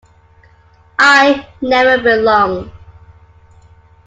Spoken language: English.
I never belonged.